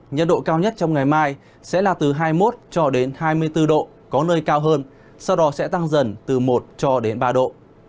nhiệt độ cao nhất trong ngày mai sẽ là từ hai mươi một cho đến hai mươi bốn độ có nơi cao hơn sau đó sẽ tăng dần từ một cho đến ba độ